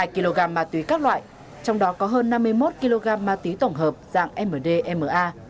hai kg ma túy các loại trong đó có hơn năm mươi một kg ma túy tổng hợp dạng mdma